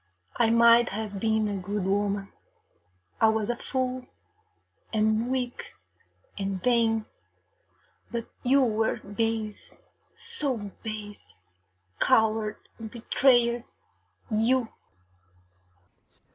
I might have been a good woman. I was a fool, and weak, and vain, but you were base so base coward and betrayer, you!